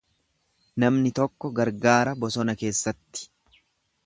Namni tokko gargaara bosona keessatti.